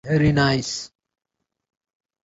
He belonged to the Bubi people.